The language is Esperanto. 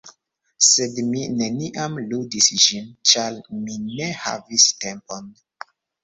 sed mi neniam ludis ĝin, ĉar mi ne havis tempon.